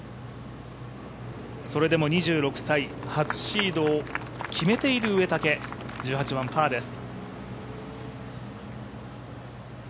それでも２６歳、初シードを決めている植竹、１７番パーです。